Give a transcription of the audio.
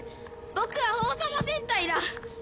僕は王様戦隊だ！